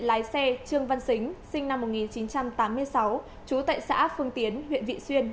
lái xe trương văn xính sinh năm một nghìn chín trăm tám mươi sáu trú tại xã phương tiến huyện vị xuyên